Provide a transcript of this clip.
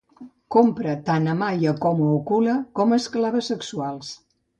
Compra tant a Maia com a Occula com "esclaves sexuals".